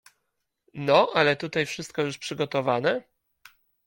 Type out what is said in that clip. "No, ale tutaj wszystko już przygotowane?"